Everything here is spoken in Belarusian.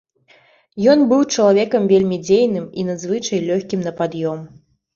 Ён быў чалавекам вельмі дзейным і надзвычай лёгкім на пад'ём.